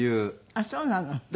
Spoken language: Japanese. あっそうなの。